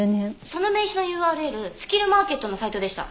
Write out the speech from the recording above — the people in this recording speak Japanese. その名刺のＵＲＬスキルマーケットのサイトでした。